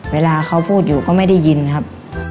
เวลาเขาพูดอยู่ก็ไม่ได้ยินครับ